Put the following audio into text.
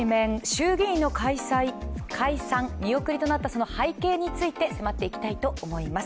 衆議院の解散見送りとなったその背景について迫っていきたいと思います。